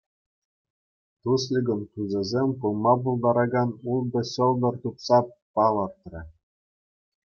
Тусликӑн тусӗсем пулма пултаракан ултӑ ҫӑлтӑр тупса палӑртрӗ.